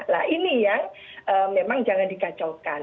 nah ini yang memang jangan dikacaukan